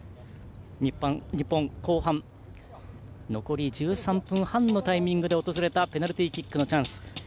日本、後半残り１３分半のタイミングで訪れたペナルティーキックのチャンス。